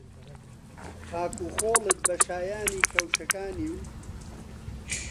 خاک و خۆڵت بە شایانی کەوشەکانی و